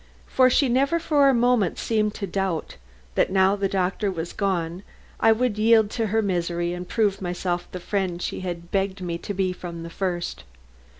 For she never for a moment seemed to doubt, that now the doctor was gone I would yield to her misery and prove myself the friend she had begged me to be from the first.